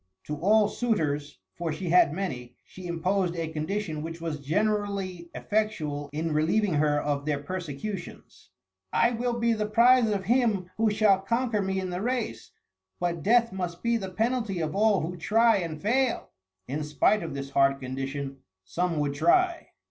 To all suitors (for she had many) she imposed a condition which was generally effectual in relieving her of their persecutions, "I will be the prize of him who shall conquer me in the race; but death must be the penalty of all who try and fail." In spite of this hard condition some would try.